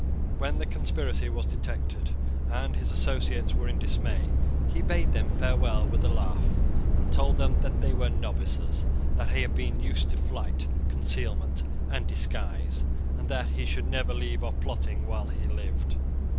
When the conspiracy was detected and his associates were in dismay, he bade them farewell with a laugh, and told them that they were novices, that he had been used to flight, concealment and disguise, and that he should never leave off plotting while he lived.